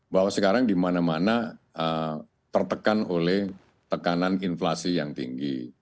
bahwa sekarang di mana mana tertekan oleh tekanan inflasi yang tinggi